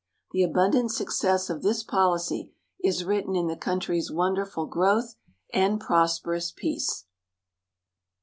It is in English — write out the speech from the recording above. The abundant success of this policy is written in the country's wonderful growth and prosperous peace.